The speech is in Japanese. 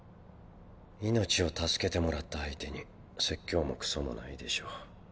命を助けてもらった相手に説教もくそもないでしょう。